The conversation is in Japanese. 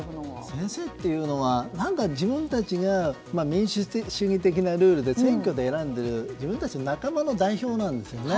先生っていうのは自分たちが民主主義的なルールで選挙で選んでる自分たちの仲間の代表なんですよね。